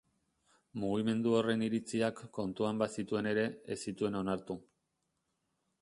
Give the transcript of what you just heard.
Mugimendu horren iritziak kontuan bazituen ere, ez zituen onartu.